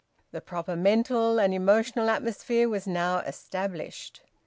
The proper mental and emotional atmosphere was now established.